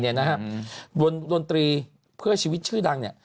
วงกลยนตรีเพื่อชีวิตชื่อดัง